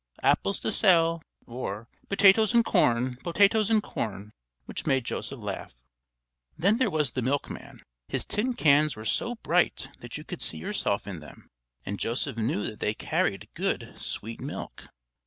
Apples to sell!" or "Potatoes and corn! Potatoes and corn!" which made Joseph laugh. Then there was the milkman. His tin cans were so bright that you could see yourself in them, and Joseph knew that they carried good sweet milk.